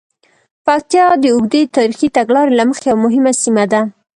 پکتیا د اوږدې تاریخي تګلارې له مخې یوه مهمه سیمه ده.